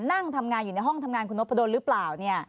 นั่งทำงานอยู่ในห้องทำงานคุณนพดลหรือเปล่า